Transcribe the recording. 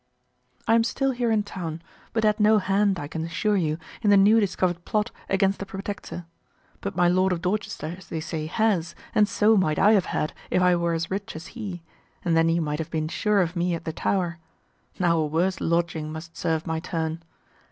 I am still here in town, but had no hand, I can assure you, in the new discovered plot against the Protector. But my Lord of Dorchester, they say, has, and so might I have had if I were as rich as he, and then you might have been sure of me at the Tower; now a worse lodging must serve my turn.